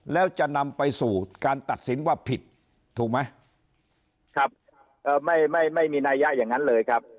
แล้วจะนำไปสู่การตัดสินว่าผิดถูกไหมครับเอ่อไม่ไม่ไม่มีนัยะอย่างนั้นเลยครับ